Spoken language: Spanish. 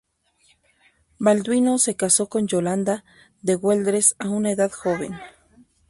Balduino se casó con Yolanda de Güeldres a una edad joven.